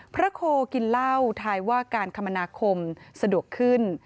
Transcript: โคกินเหล้าทายว่าการคมนาคมสะดวกขึ้น